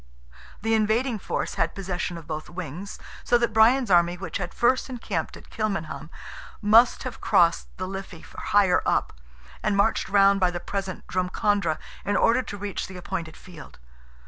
The invading force had possession of both wings, so that Brian's army, which had first encamped at Kilmainham, must have crossed the Liffey higher up, and marched round by the present Drumcondra in order to reach the appointed field.